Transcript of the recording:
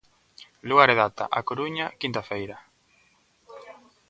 Lugar e data: A Coruña, quinta feira.